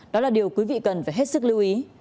đó là điều quý vị cần phải hết sức lưu ý